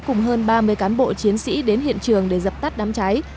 cùng hơn ba mươi cán bộ chiến sĩ đến hiện trường để dập tắt đám cháy